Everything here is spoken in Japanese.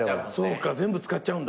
そうか全部使っちゃうんだ。